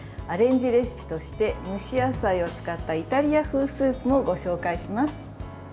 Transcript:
アレンジレシピとして蒸し野菜を使ったイタリア風スープもご紹介します。